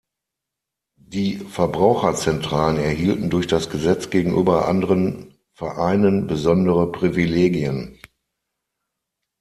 Die Verbraucherzentralen erhielten durch das Gesetz gegenüber anderen Vereinen besondere Privilegien.